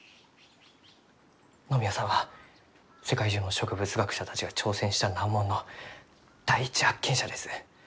野宮さんは世界中の植物学者たちが挑戦した難問の第一発見者です。